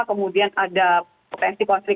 kemudian ada potensi kuasa